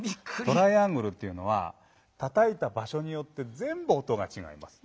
トライアングルっていうのはたたいたばしょによって全部音がちがいます。